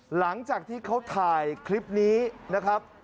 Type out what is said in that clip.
หลังจากที่เขาถ่ายคลิปนี้นะครับ